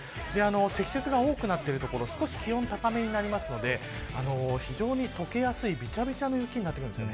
積雪が多くなってる所少し気温、高めになりますので非常に解けやすいびちゃびちゃな雪になってくるんですね。